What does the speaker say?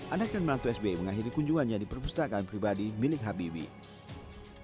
anak dan menantu sbi mengakhiri kunjungannya di perpustakaan pribadi milik habibie